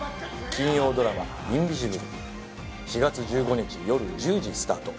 金曜ドラマ「インビジブル」４月１５日よる１０時スタート